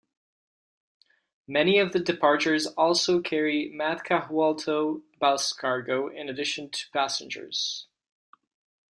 Many of the departures also carry Matkahuolto bus cargo in addition to passengers.